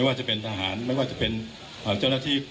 คุณผู้ชมไปฟังผู้ว่ารัฐกาลจังหวัดเชียงรายแถลงตอนนี้ค่ะ